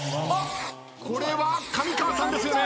これは上川さんですよね。